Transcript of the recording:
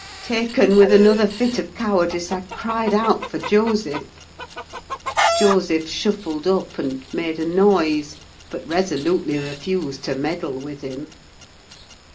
Taken with another fit of cowardice, I cried out for Joseph. Joseph shuffled up and made a noise, but resolutely refused to meddle with him.